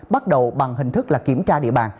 bắt đầu bằng hình thức kiểm tra địa bàn